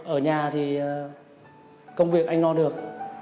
ở nhà thì công việc anh lo được